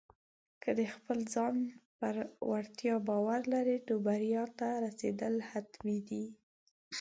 که د خپل ځان پر وړتیا باور لرې، نو بریا ته رسېدل حتمي دي.